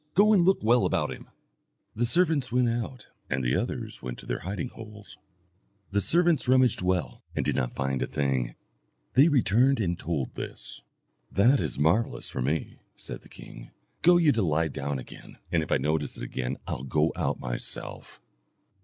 "Go and look well about him." The servants went out, and the others went to their hiding holes. The servants rummaged well, and did not find a thing. They returned and they told this. "That is marvellous for me," said the king: "go you to lie down again, and if I notice it again I will go out myself."